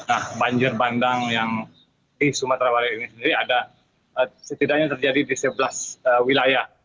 nah banjir bandang yang di sumatera barat ini sendiri ada setidaknya terjadi di sebelas wilayah